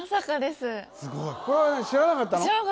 これは知らなかったの？